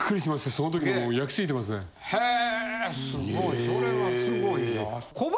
それはすごいな。